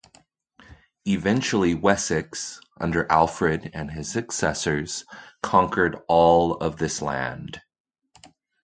Eventually Wessex, under Alfred and his successors, conquered all of this land.